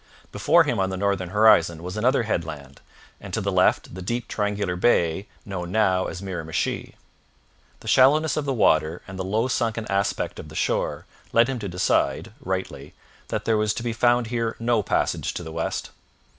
Before him on the northern horizon was another headland, and to the left the deep triangular bay known now as Miramichi. The shallowness of the water and the low sunken aspect of the shore led him to decide, rightly, that there was to be found here no passage to the west.